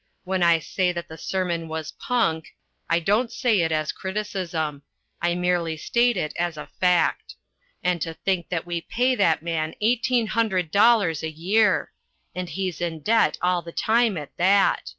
When I say that the sermon was punk, I don't say it as criticism. I merely state it as a fact. And to think that we pay that man eighteen hundred dollars a year! And he's in debt all the time at that.